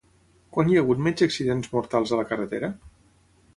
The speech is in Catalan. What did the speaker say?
Quan hi ha hagut menys accidents mortals a la carretera?